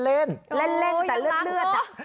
เล่นแต่เลือดน่ะ